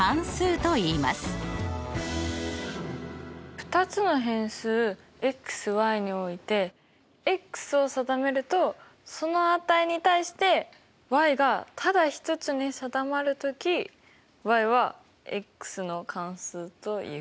２つの変数，においてを定めるとその値に対してがただ１つに定まるときはの関数という？